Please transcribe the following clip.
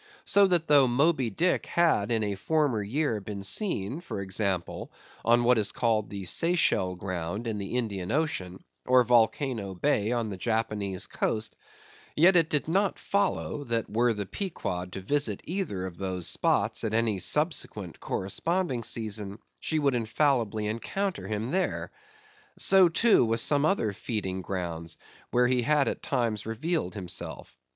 So that though Moby Dick had in a former year been seen, for example, on what is called the Seychelle ground in the Indian ocean, or Volcano Bay on the Japanese Coast; yet it did not follow, that were the Pequod to visit either of those spots at any subsequent corresponding season, she would infallibly encounter him there. So, too, with some other feeding grounds, where he had at times revealed himself.